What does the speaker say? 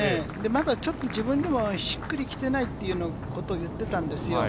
まだちょっと自分でもしっくりきてないっていうようなことを言ってたんですよ。